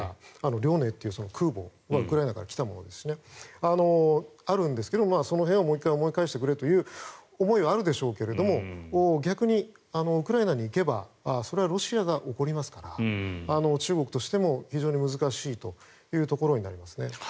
「遼寧」という空母はウクライナから来たものですしその辺はもう１回思い返してくれという思いはあるでしょうが逆にウクライナに行けばそれはロシアが怒りますから中国としても非常に難しいところになります。